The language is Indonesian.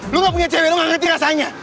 lo gak punya cewe lo gak ngerti rasanya